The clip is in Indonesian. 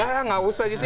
ya nggak usah di sini